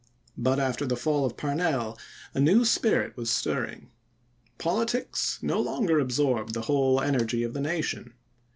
But after the fall of Parnell a new spirit was stirring. Politics no longer absorbed the whole energy of the nation.